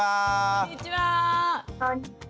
こんにちは！